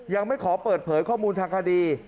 ยังไม่ขอเปิดเผยข้อมูลทางคดี